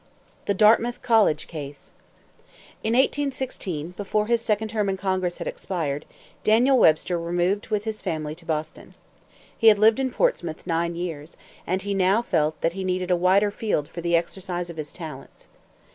THE DARTMOUTH COLLEGE CASE. In 1816, before his second term in Congress had expired, Daniel Webster removed with his family to Boston. He had lived in Portsmouth nine years, and he now felt that he needed a wider field for the exercise of his talents.